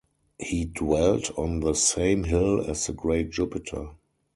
He dwelt on the same hill as the Great Jupiter.